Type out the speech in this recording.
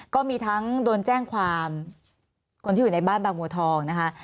ก็มีทั้งโดนแจ้งความคนที่อยู่ในบ้านบางบัวทองนะคะ